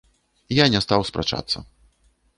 Я не стаў спрачацца.